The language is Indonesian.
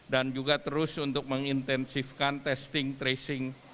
dan juga terus untuk mengintensifkan testing tracing